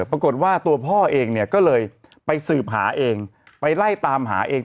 ปรากฏว่าตัวพ่อเองเนี่ยก็เลยไปสืบหาเองไปไล่ตามหาเอง